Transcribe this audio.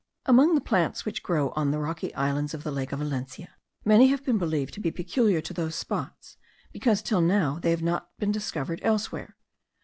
Among the plants which grow on the rocky islands of the lake of Valencia, many have been believed to be peculiar to those spots, because till now they have not been discovered elsewhere.